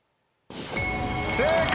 正解！